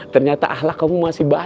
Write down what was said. ternyata ahlak kamu masih baik kum